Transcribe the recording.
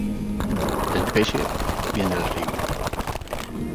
El pexe vien del ríu.